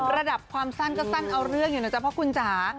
ระดับความสั้นก็สั้นเอาเรื่องอยู่นะจ๊ะเพราะคุณจ๋า